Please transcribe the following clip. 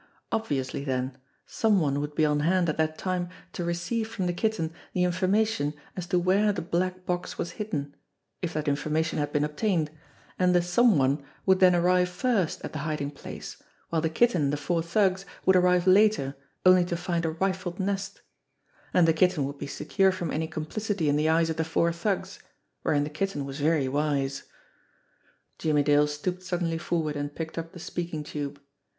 Obviously, then, some one would be on hand at that time to receive from the Kitten the information as to where the black box was hidden, if that information had been obtained, and the "some one" would then arrive first at the hiding place, while the Kitten and the four thugs would arrive later only to find a rifled 244 JIMMIE DALE AND THE PHANTOM CLUE nest ! And the Kitten would be secure from any complicity in the eyes of the four thugs wherein the Kitten was very wise! Jimmie Dale stooped suddenly forward and picked up the speaking tube.